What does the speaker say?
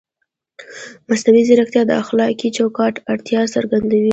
مصنوعي ځیرکتیا د اخلاقي چوکاټ اړتیا څرګندوي.